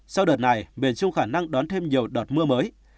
sau đợt này miền trung khả năng đón thêm nhiều đợt mưa mới